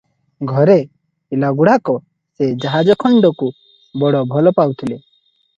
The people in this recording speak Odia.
ଘରେ ପିଲାଗୁଡ଼ାକ ସେ ଜାହାଜ ଖଣ୍ଡକୁ ବଡ଼ ଭଲ ପାଉଥିଲେ ।